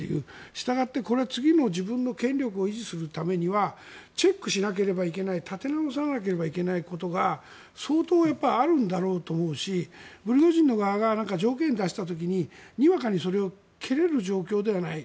したがって、これは、次も自分の権力を維持するためにはチェックしなければいけない立て直さなければいけないことが相当やっぱりあるんだろうと思うしプリゴジンの側が条件を出した時ににわかにそれを蹴れる状況ではない。